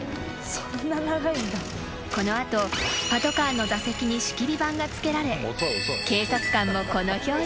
［この後パトカーの座席に仕切り板がつけられ警察官もこの表情］